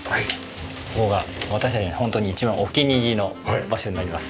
ここが私たちのホントに一番お気に入りの場所になります。